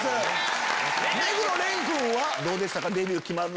目黒蓮君はどうでしたか？